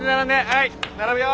はい並ぶよ！